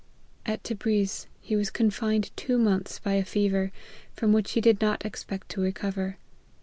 At Tebriz he was confined two months by a fever, from which he did not expect to recover.